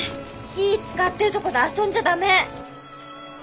火使ってるとこで遊んじゃ駄目！